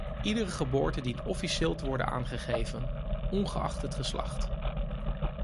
Iedere geboorte dient officieel te worden aangegeven, ongeacht het geslacht.